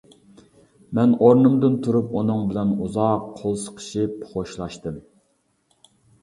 مەن ئورنۇمدىن تۇرۇپ ئۇنىڭ بىلەن ئۇزاق قول سىقىشىپ خوشلاشتىم.